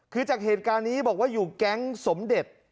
คือจากเหตุการณ์นี้บอกว่าอยู่แก๊งสมเด็จ